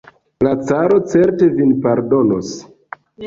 La caro certe vin pardonos!